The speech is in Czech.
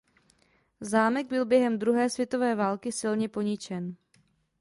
Zámek byl během druhé světové války silně poničen.